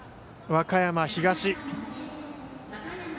和歌山東。